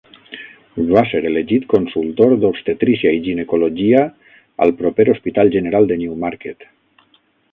Va ser elegit consultor d'Obstetrícia i Ginecologia al proper Hospital General de Newmarket.